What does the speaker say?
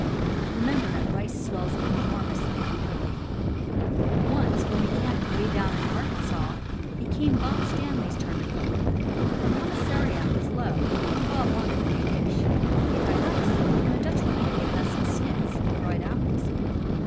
Remember that rice swells enormously in cooking. Once when we camped '*'way down in Arkansaw," it came Bob Staley's turn to cook. Our commissariat was low; and Bob wanted a new dish. We had rice; and a Dutchwoman had given us some "suits" (dried apples).